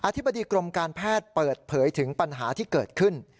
ธิบดีกรมการแพทย์เปิดเผยถึงปัญหาที่เกิดขึ้น